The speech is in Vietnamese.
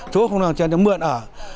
chú không làm chân thì mượn ở